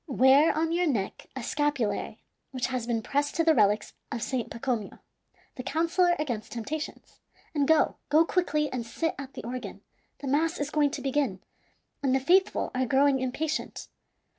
Wear on your neck a scapulary which has been pressed to the relics of Saint Pacomio, the counsellor against temptations, and go, go quickly, and sit at the organ. The mass is going to begin, and the faithful are growing impatient.